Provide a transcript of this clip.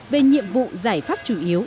về nhiệm vụ giải pháp chủ yếu